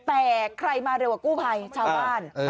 แต่ใครมาเร็วกว่ากู้ภัยชาวบ้าน